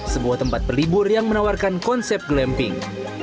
sebuah tempat berlibur yang menawarkan konsep glamping